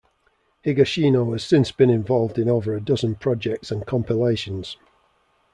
Higashino has since been involved in over a dozen projects and compilations.